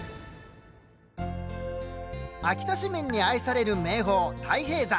秋田市民に愛される名峰太平山。